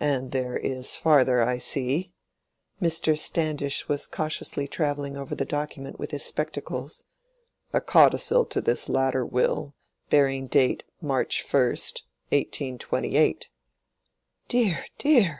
And there is farther, I see"—Mr. Standish was cautiously travelling over the document with his spectacles—"a codicil to this latter will, bearing date March 1, 1828." "Dear, dear!"